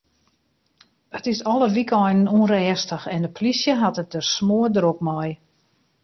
It is alle wykeinen ûnrêstich en de polysje hat it der smoardrok mei.